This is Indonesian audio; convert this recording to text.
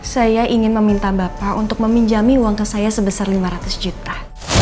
saya ingin meminta bapak untuk meminjami uang ke saya sebesar lima ratus juta